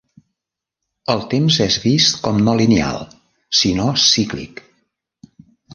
El temps és vist com no lineal sinó cíclic.